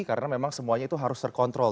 karena memang semuanya itu harus terkontrol